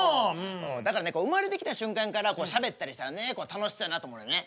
だからね生まれてきた瞬間からしゃべったりしたらね楽しそうやなと思うのよね。